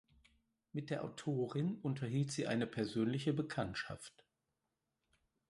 Mit der Autorin unterhielt sie eine persönliche Bekanntschaft.